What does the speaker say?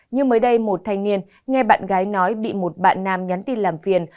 nhưng mới đây một thanh niên nghe bạn gái nói bị một bạn nam nhắn tin làm phiền